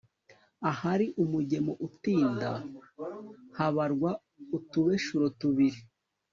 ahari umugemo utinda habarwa utubeshuro tubiri« _